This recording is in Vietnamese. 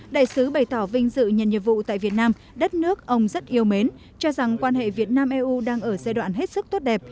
đại sứ bày tỏ vinh dự nhận nhiệm vụ tại việt nam đất nước ông rất yêu mến cho rằng quan hệ việt nam eu đang ở giai đoạn hết sức tốt đẹp